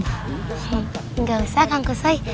tidak perlu kang kusoy